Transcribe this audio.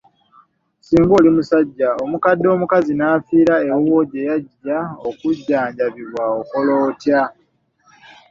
"Singa oli musajja, omukadde omukazi n’afiira ewuwo gye yajja okujjanjabibwa okola otya?"